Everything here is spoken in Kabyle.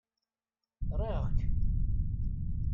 Riɣ-k!